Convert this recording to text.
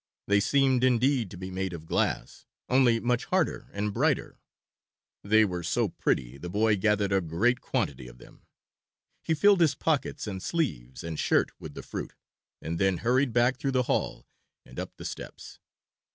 They seemed indeed to be made of glass, only much harder and brighter; they were so pretty the boy gathered a great quantity of them; he filled his pockets and sleeves and shirt with the fruit and then hurried back through the hall and up the steps.